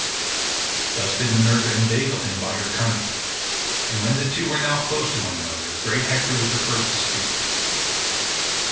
Thus did Minerva inveigle him by her cunning, and when the two were now close to one another great Hector was first to speak.